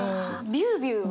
「ビュービュー」？